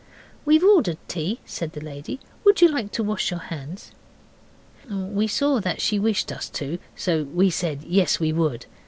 'We've ordered tea,' said the lady. 'Would you like to wash your hands?' We saw that she wished us to, so we said yes, we would.